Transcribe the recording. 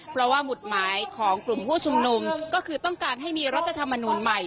เพราะว่าหมุดหมายของกลุ่มผู้ชุมนุมก็คือต้องการให้มีรัฐธรรมนูลใหม่